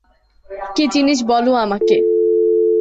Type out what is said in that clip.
কী জিনিস বলো আমাকে।